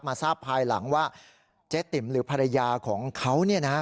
ทราบภายหลังว่าเจ๊ติ๋มหรือภรรยาของเขา